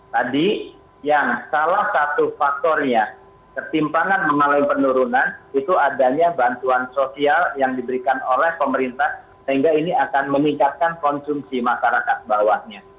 tadi yang salah satu faktornya ketimpangan mengalami penurunan itu adanya bantuan sosial yang diberikan oleh pemerintah sehingga ini akan meningkatkan konsumsi masyarakat bawahnya